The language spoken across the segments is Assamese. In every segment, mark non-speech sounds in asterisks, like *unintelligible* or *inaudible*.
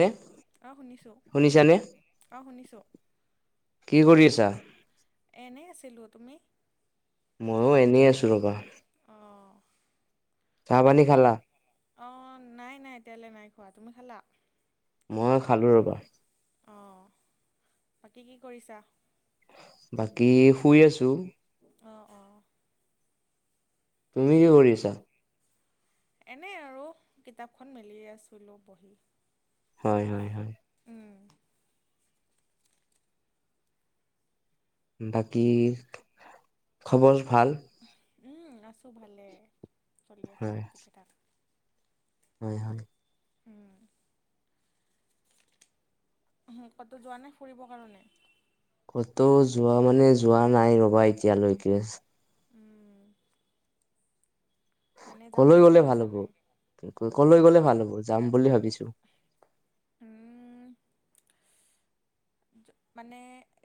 নে অ শুনিছোঁ শুনিছানে অ শুনিছোঁ কি কৰি আছা? এনেই আছিলোঁ তুমি মইও এনেই আছোঁ ৰ'বা অঁ চাহ পানী বাক খালা অঁ নাই নাই এতিয়ালে নাই খোৱা, তুমি খালা? মই খালো ৰ'বা অ বাকী কি কৰিছা বাকী শুই আছো অঁ অঁ তুমি কি কৰি আছা এনেই আৰু কিতাপখন মেলি আছিলোঁ বহি হয় হয় হয় উম বাকী খবৰ ভাল উম আছো ভালে চলি আছে হয় চব কিকিটাক হয় হয় উম ক'তো যোৱা নাই ফুৰিবৰ কাৰণে ক'তো যোৱা মানে যোৱা নাই ৰবা এতিয়ালৈকে। উম যাম কলৈ বুলি গলে ভাল ভাবিছা হব নাই কলৈ গলে ভাল হব যাম বুলি ভাবিছো। উম মানে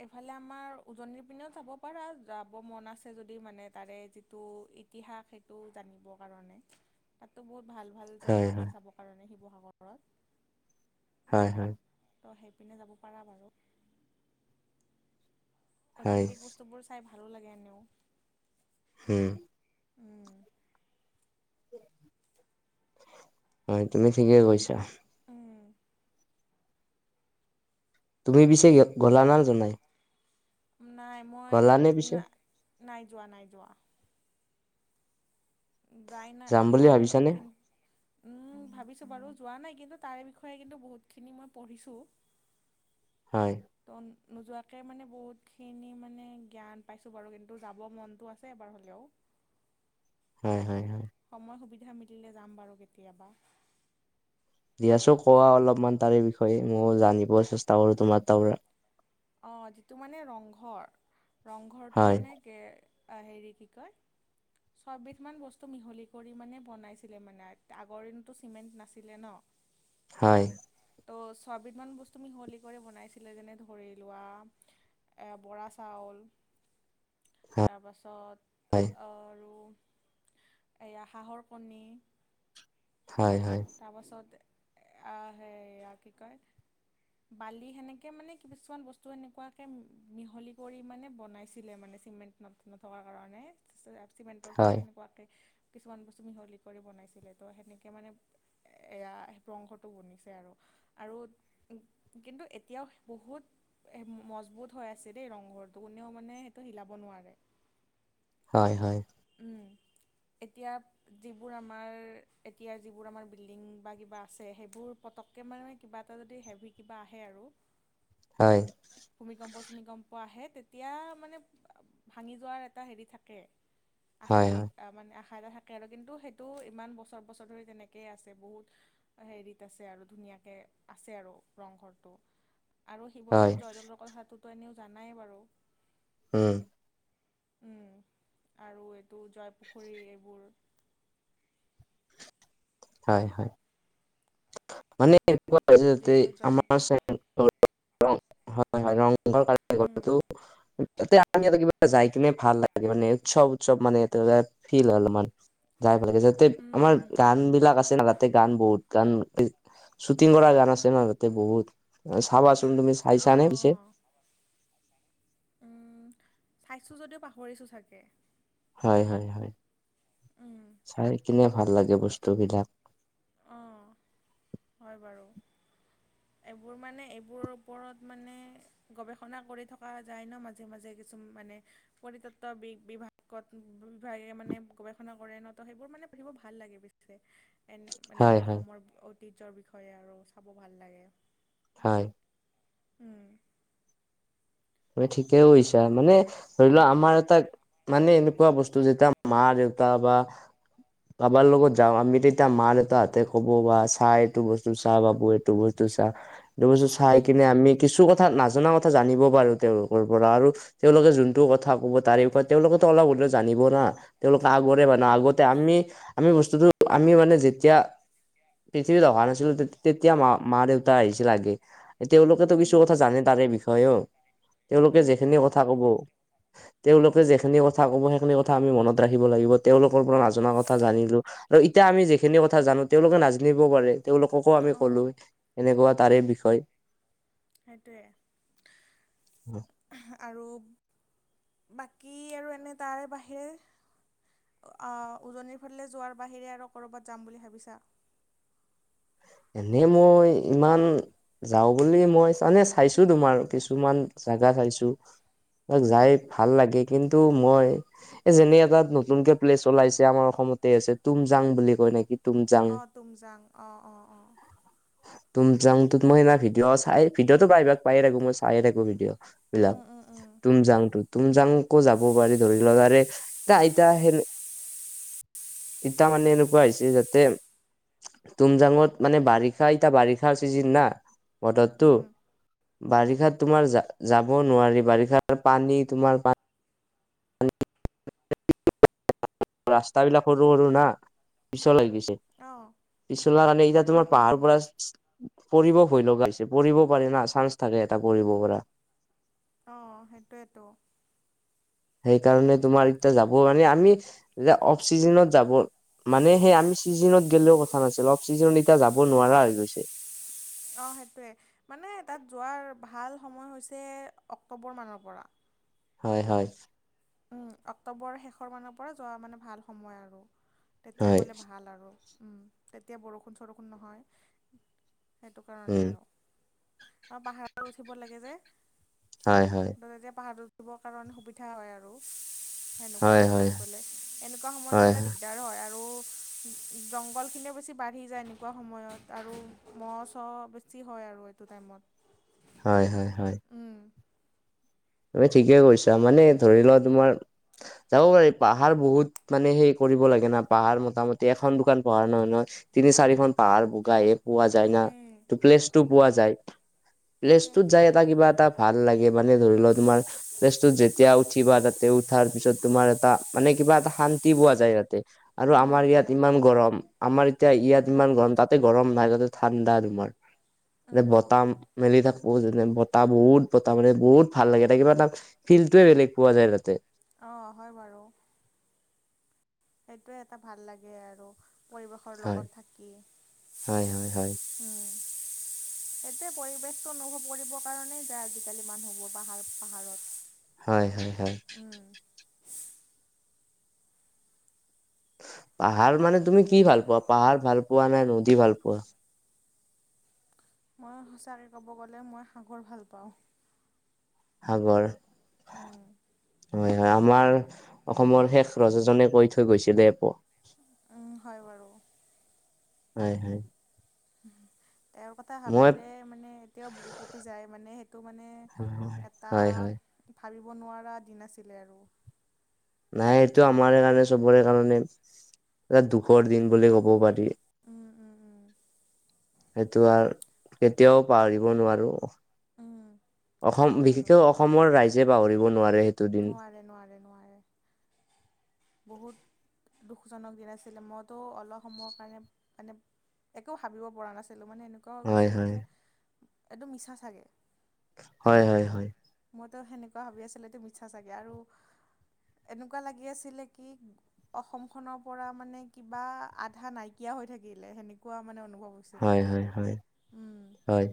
এইফালে আমাৰ উজনিৰ পিনেও যাব পাৰা যাব মন আছে যদি মানে তাৰে টো ইতিহাস সেইটো জানিবৰ কাৰণে। তাতো বহুত ভাল ভাল হয় জেগা আছে হয় চাবৰ কাৰণে শিৱসাগৰত। হয় হয়। ত' সেইপিনে যাব পাৰা বাৰু। হয় ঐতিহাসিক বস্তুবোৰ চাই ভালো লাগে এনেও। হুম। উম হয় তুমি ঠিকেই কৈছা। উম তুমি পিছে গলা না যোৱা নাই? নাই মই নে পিছে নাই যোৱা নাই যোৱা। যাই যাম নাই যোৱা বুলি নাই ভাবিছানে কিন্ত। উম ভাবিছোঁ বাৰু যোৱা নাই কিন্তু তাৰে বিষয়ে কিন্তু বহুতখিনি মই পঢ়িছোঁ। হয়। তো নোযোৱাকে মানে বহুতখিনি মানে জ্ঞান পাইছোঁ বাৰু কিন্তু যাব মনটো আছে এবাৰ হ'লেও। হয় হয় হয়। সময় সুবিধা মিলিলে যাম বাৰু কেতিয়াবা। দিয়াছোন কোৱা অলপমান তাৰে বিষয়ে ময়ো জানিব চেষ্টা কৰো তোমাৰ তাৰ পৰা অঁ যিটো মানে ৰংঘৰ ৰংঘৰটো হয় মানে হেৰি কি কয় ছয়বিধমান বস্তু মিহলি কৰি মানে বনাইছিলে মানে আগৰ দিনতো চিমেণ্ট নাছিলে ন। হয়। ত' ছবিধমান বস্তু মিহলি কৰি বনাইছিলে যেনে ধৰি লোৱা বৰা চাউল তাৰ পাছত হয় আৰু এইয়া হাঁহৰ কণী হয় হয়। তাৰপাছত সেয়া কি কয় বালি সেনেকে মানে কিছুমান বস্তু সেনেকুৱাকে মিহলি কৰি মানে বনাইছিলে মানে চিমেণ্ট নথকাৰ কাৰণে চিমেণ্টৰ ঠাই হয় এনেকুৱাকৈ কিছুমান বস্তু মিহলি কৰি বনাইছিলে তো সেনেকৈ মানে এয়া সেই প্ৰ অংশটো বনিছে আৰু আৰু কিন্তু এতিয়াও বহুত মজবুত হৈ আছে দেই ৰংঘৰটো কোনেও মানে সেইটো হিলাব নোৱাৰে। হয় হয়। উম এতিয়া যিবোৰ আমাৰ এতিয়া যিবোৰ আমাৰ বিল্ডিং বা কিবা আছে সেইবোৰ পতককৈ মানে কিবা এটা যদি হেভি কিবা আহে আৰু হয়। ভূমিকম্প চূমিকম্প আহে তেতিয়া মানে ভাঙি যোৱাৰ এটা হেৰি থাকে আ হয় হয় সেৰি মানে আশা এটা থাকে আৰু কিন্তু সেইটো ইমান বছৰ বছৰ ধৰি তেনেকেই আছে বহুত হেৰিত আছে আৰু ধুনীয়াকৈ আছে আৰু ৰংঘৰটো আৰু হয় শিৱদৌল জয়দৌলৰ কথাটোতো এনেও জানাই বাৰু উম আৰু এইটো জয়পুখুৰী এইবোৰ হয় হয় মানে এনেকুৱা হৈছে যে যিটো জয় আমাৰ চাইদৰ হয় হয় ৰংঘৰ কাৰেংঘৰ উম কাজিয়া লাগিব যাই কিনে ভাল লাগে মানে উৎসৱ উৎসৱ মানে ফিল হয় অলপমান যাই ভাল লাগে যাতে উম আমাৰ উম উম গান বিলাক আছে না তাতে গান বহুত গান শ্বুটিং কৰা গান আছে ন তাতে বহুত চাবাচোন। তুমি চাইছা নে অঁ পিছে অঁ উম চাইছোঁ যদিও পাহৰিছোঁ চাগে হয় হয় হয় উম চাই কিনে ভাল লাগে বস্তু বিলাক অঁ হয় বাৰু এইবোৰ মানে এইবোৰৰ ওপৰত মানে গৱেষণা কৰি থকা যায় ন মাজে মাজে কিছু মানে পৰিতত্ত বি বিভাগত বিভাগে মানে গৱেষণা কৰে ন সেইবোৰ মানে পঢ়িব ভাল লাগে বে ন মানে হয় আমাৰ হয় অসমৰ ঐতিহ্যৰ বিষয়ে আৰু চাব ভাল লাগে হয় উম ত ঠিকেই কৈছা মানে ধৰি লোৱা উম আমাৰ এটা মানে এনেকুৱা বস্তু যেতিয়া মা দেউতা বা কাৰোবাৰ লগত যাওঁ আমি তে এতিয়া মা দেউতা হাতে ক'ব বা চা এইটো বস্তু চা বাবু এইটো বস্তু চা এইটো বস্তু চাই উম কিনে আমি কিছু কথা নাজানা ক ক জানিব পাৰো তেওঁলোকৰ পৰা আৰু তেওঁলোকে যোনটো কথা কব তাৰেও তেওঁলোকে টো অলপ হলেও জানিব না তেওঁলোকে আগৰে মান উম আগতে আমি আমি বস্তুটো আমি মানে যেতিয়া পৃথিৱীত অহা নাছিলোঁ তেতিয়া মা মা দেউতা আহিছিল আগে। তেওঁলোকেতো কিছু উম কথা জানে তাৰে বিষয়েও তেওঁলোকে উম যিখিনি জানে কথা জানে কব তেওঁলোকে উম যিখিনি কথা কব সেইখিনি কথা আমি মনত ৰাখিব লাগিব তেওঁলোকৰ পৰা নজনা কথা জানিলোঁ। আৰু এতিয়া আমি যিখিনি কথা জানো তেওঁলোকে নাজানিবও পাৰে তেওঁলোককো আমি কলো অ' এনেকুৱা তাৰে বিষয় সেইটোৱে উম আৰু বাকী আৰু এনে তাৰে বাহিৰে উজনিৰ ফালে যোৱাৰ বাহিৰে আৰু ক'ৰবাত যাম বুলি ভাবিছা? এনে মই ইমান যাওঁ বুলি মই মানে চাইছো তোমাৰ কিছুমান জাগা চাইছো ত উম, যাই ভাল লাগে কিন্তু মই এ যেনে এটা নতুনকে প্লেচ ওলাইছে আমাৰ অসমতে আছে তুমজাং বুলি কয় নেকি তুমজাং অ' তুমজাং অঁ অঁ অঁ তুমজাংতো মই সদিনা ভিডিঅ চাই ভিডিঅ'টো পায়াই থাকো মই চাই থাকো ভিডিঅ' বিলাক উম, উম, উম, তুমজাং ত তুমজাংকো যাব পাৰি ধৰি লকাৰে এ আইতা সে এতিয়া মানে এনেকুৱা হৈছে যাতে তুমজাংত মানে বাৰিষা এতিয়া বাৰিষাৰ চিজন না বতৰটো উম, উম, বাৰিষাত তোমাৰ যাব নোৱাৰি বাৰিষাৰ পানী তোমাৰ ৰাস্তা বিলাক সৰু সৰু না পিছ হৈ গৈছে অ বিছনা আনি এতিয়া উম, তোমাৰ উম, পাহাৰ উম, পৰা পৰিব ভয় লগা হৈছে পৰিব পাৰে না চান্স থাকে এটা পৰিব পৰা অ সেইটোয়েটো সেইকাৰণে তোমাৰ এতিয়া যাব মানে আমি এতা অফ চিজনত যাব মানে সেই আমি ছিজনত গেলেও কথা নাছিল অফ ছিজনত এতিয়া যাব নোৱাৰা হৈ গৈছে অঁ সেইটোৱে মানে তাত যোৱাৰ ভাল সময় হৈছে অক্টোবৰ মানৰ পৰা হয় হয় উম অক্টোবৰৰ শেষৰ মানৰ পৰা যোৱা মানে ভাল সময় আৰু তেতিয়া হয় গ'লে ভাল আৰু উম তেতিয়া বৰষুণ চৰষুণ নহয় সেইটো কাৰণে উম আৰু আৰু পাহাৰত উঠিব লাগে যে হয় হয় ধ এতিয়া পাহাৰত উঠিবৰ কাৰণে সুবিধা হয় আৰু সেনেকুৱা হয় হয় সময়ত গলে এনেকুৱা সময়ত হয় গ'লে দিগদাৰ হয় আৰু জংঘল খিনিও বেছি বাঢ়ি যায় এনেকুৱা সময়ত আৰু মহ চ বেছি হয় আৰু টো টাইমত হয় হয় হয় ঊম তুমি ঠিকে কৈছা মানে ধৰি লোৱা তোমাৰ যাব পাৰি পাহাৰ বহুত মানে সেই কৰিব লাগে না পাহাৰ মোটামুটি এখন দোকান প়াহাৰ নহয় নহয় তিনি চাৰিখন পাহাৰ বগাইহে পোৱা যায় না উম। ত প্লেচটো পোৱা যায় প্লেচটোত সেইটোৱেতো যাই এটা কিবা তাত ভাল লাগে মানে ধৰি লোৱা তোমাৰ প্লেচটোত যেতিয়া উঠিবা তাতে উঠাৰ পিছত তোমাৰ এটা মানে কিবা এটা শান্তি পোৱা যায় তাতে আৰু উম, আমাৰ ইয়াত সেইটোৱে ইমান গৰম আমাৰ এতিয়া ইয়াত উম, ইমান গৰম তাত তাতে গৰম নাই তাতে ঠাণ্ডা তোমাৰ এম উম, বতাহ মেলি থাকো যেনে বতাহ বহুত বতাহ মাৰে বহুত ভাল লাগে তা কিবা তাত ফিল্টয়ে বেলেগ পোৱা যায় তাতে অঁ হয় বাৰু সেইটোৱে এটা ভাল লাগে আৰু পৰিৱেশৰ হয় লগত থাকি হয় হয় হয় উম *inaudible* সেইটোয়ে পৰিৱেশতটো অনুভৱ কৰিব কাৰণেই যায় আজিকালি মানুহবোৰ পাহাৰ পাহাৰত হয় হয় হয় পাহাৰ মানে তুমি কি ভাল পোৱা পাহাৰ ভাল পোৱা নাই নদী ভাল পোৱা মই সঁচাকে ক'ব গ'লে মই সাগৰ ভাল পাওঁ সাগৰ উম হয় হয় আমাৰ অসমৰ শেষ ৰজাজনে কৈ থৈ গৈছিলে এপ উম হয় বাৰু হয় হয় উহুম তেওঁৰ কথ তা মই ভাবিলে মানে এতিয়াও বকু কপি যায় মানে সেইটো মানে হয় এটা হয় হয় ভাবিব নোৱাৰা দিন আছিলে আৰু', নাই, এইটো আমাৰ কাৰণে, চবৰে কাৰণে, এটা দুঃখৰ দিন বুলি ক'ব পাৰি', উম', - উম', - উম', সেইটো আৰু, কেতিয়াও পাহৰিব নোৱাৰোঁ, উম সেইটো অসম হয় বাৰু। বিশেষকৈ অসম', অসমৰ ৰাইজে পাহৰিব নোৱাৰে সেই', নোৱাৰে - নোৱাৰে - নোৱাৰে', বহুত, দু্ঃখজনক দিন আছিলে, মইতো অলপ সময়ৰ কাৰণে, মানে', একো ভাবিব পৰা নাছিলোঁ মানে এনেকুৱা হৈ হয় গৈছিলোঁ হয় যে, একদম মিছা চাগে', হয় - হয় - হয়', মইতো সেনেকুৱা ভাবি আছিলোঁ এইটো মিছা চাগে আৰু, এনেকুৱা লাগি আছিলে', কি', অসমখনৰ পৰা মানে কিবা, আধা নাইকিয়া হৈ থাকিলে, সেনেকুৱা মানে অনুভৱ হ'ল', হয় -হয় -হয়', উম', হয়',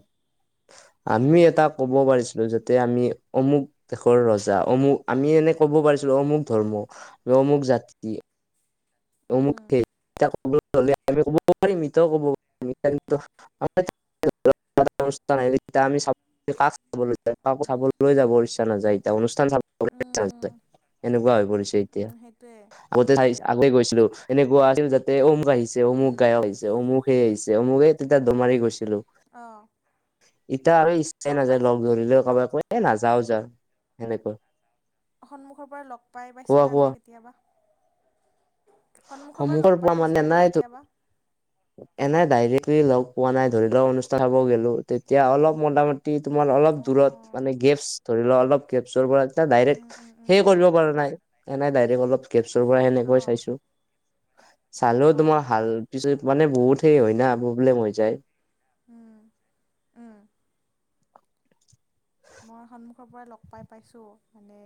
আমি এটা ক'ব পাৰিছিলোঁ যাতে আমি, অমুক', দেশৰ ৰজা অমুক, আমি এনে ক'ব পাৰিছিলোঁ অমুক ধৰ্ম, অমুক জাতি', অমুক উম কেইটা অমুক চলে আ', *unintelligible* এতিয়া আমি চাব, কাক চাবলৈ যাম কাকো চাবলৈ যাবৰ ইচ্ছা নাযায় এতিয়া অনুষ্ঠান চাব', কাৰোৰেই উম ইচ্ছা উম নাযায়, এনেকুৱা হৈ পৰিছে এতিয়া, উম সেইটোৱে আগতে চাই সেইটোৱে আগে গৈ', গৈছিলোঁ, এনেকুৱা আছিল যাতে ও অমুক আহিছে, অমুক উম গায়ক আহিছে, অমুক সেই আহিছে, অমুক এই তেতিয়া দৰ মাৰি গৈ', গৈছিলোঁ, অঁ এতিয়া আৰু ইচ্ছাই নাযায় লগ ধৰিলেও লগ কাবাকে', এ', নাযাওঁ যা, সেনেকুৱা', সন্মুখৰ পৰা লগ পাই - কোৱা পাইছিলা কোৱা নে কেতিয়াবা? সন্মুখৰ পৰা লগ পাই - পাইছিলা নে কেতিয়াবা? এনে ডাইৰেক্টলি লগ পোৱা নাই ধৰি লওঁ অনুষ্ঠান চাব গ'লো তেতিয়া অলপ মোটামুটি', তোমাৰ অলপ দূৰত, অ', মানে গেপছ, ধৰি লোৱা অলপ গেপছৰ পৰা তাক উম, ডাইৰেক্ট', উম, উম, সেইও উম, কৰিব পৰা নাই, এনেই ডাইৰেক্ট অলপ কেপছৰ পৰা সেনেকৈ অ', চাইছোঁ', চালেও তোমাৰ অ', ভাল, পিছত মানে বহুত হেৰি হয় না, প্ৰব্লেম হৈ যায়', উম', - উম', মই সন্মুখৰ পৰা লগ পাই - পাইছোঁ মানে',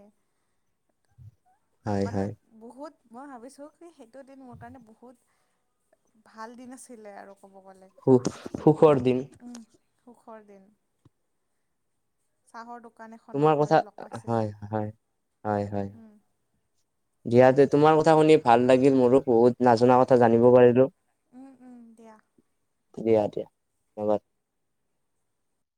হয় মানে হয় বহুত মই ভাবিছোঁ কি সেইটোদিন মোৰ কাৰণে বহুত', ভাল দিন আছিলে আৰু ক'ব গ'লে', সুখ - সুখৰ দিন', উম', সুখৰ দিন', চাহৰ দোকান তোমাৰ এখনত কথা মানে লগ হয় পাইছিলোঁ', হয় হয় - হয়, উম, ইয়াতে তোমাৰ কথা শুনি ভাল লাগিল মোৰো বহুত', নাজনা কথা অ'কে জানিব অ'কে পাৰিলোঁ, উম, উম, দিয়া। দিয়া - দিয়া ধন্যবাদ',